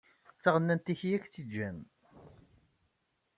D taɣennant-ik i ak-tt-igan.